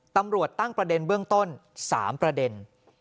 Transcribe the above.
ตำรวจตั้งประเด็นเบื้องต้น๓ประเด็น